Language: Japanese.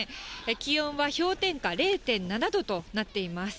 気温は氷点下０．７度となっています。